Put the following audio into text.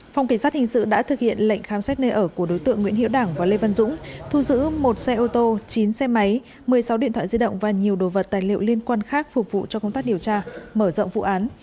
phòng cảnh sát hình sự đã thực hiện lệnh khám xét nơi ở của đối tượng nguyễn hiệu đảng và lê văn dũng thu giữ một xe ô tô chín xe máy một mươi sáu điện thoại di động và nhiều đồ vật tài liệu liên quan khác phục vụ cho công tác điều tra mở rộng vụ án